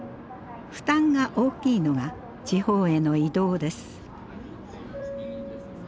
負担が大きいのが地方への移動です。